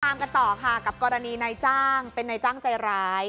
ตามกันต่อค่ะกับกรณีนายจ้างเป็นนายจ้างใจร้าย